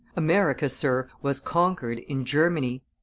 America, sir, was conquered in Germany.